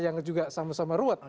yang juga sama sama ruwet